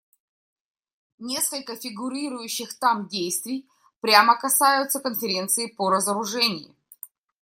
Несколько фигурирующих там действий прямо касаются Конференции по разоружению.